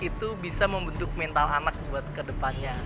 itu bisa membentuk mental anak buat kedepannya